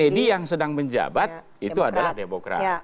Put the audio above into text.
edi yang sedang menjabat itu adalah demokrat